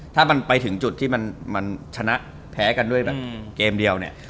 ถ้ามันไปถึงจุดที่มันชนะแพ้กันด้วยแบบเกมเดียวเนี่ย